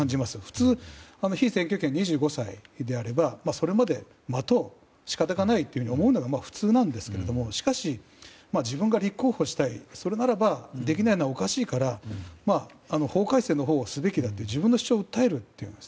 普通、被選挙権が２５歳であればそれまで待とう、仕方がないと思うのが普通なんですけれどもしかし自分が立候補したいそれならばできないのはおかしいから法改正のほうをすべきだと自分の主張を訴えるという。